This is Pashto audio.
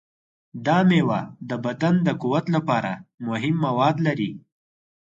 دا میوه د بدن د قوت لپاره مهم مواد لري.